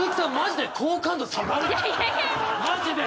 マジで。